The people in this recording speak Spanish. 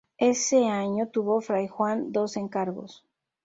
Ese año tuvo fray Juan dos encargos.